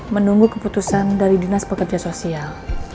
menunggu keputusan dari dinas pekerja sosial